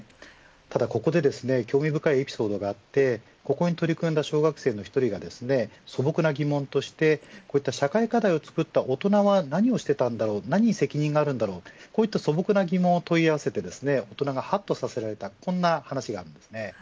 ただここで興味深いエピソードがあってここに取り組んだ小学生の１人が素朴な疑問としてこういった社会課題を作った大人は何をしてたんだろう何に責任があるんだろうという素朴な疑問を問い合わせて大人がはっとさせられた話があります。